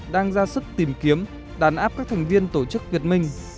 đang ra sức tìm kiếm đàn áp các thành viên tổ chức việt minh